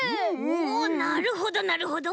おなるほどなるほど。